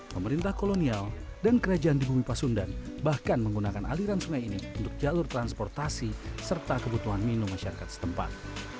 pemerintah kolonial dan kerajaan di bumi pasundan bahkan menggunakan aliran sungai ini untuk jalur transportasi serta kebutuhan minum masyarakat setempat